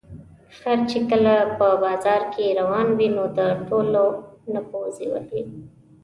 خر چې کله په بازار کې روان وي، نو د ټولو نه پوزې وهي.